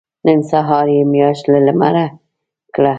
نن سهار يې مياشت له لمره کړه.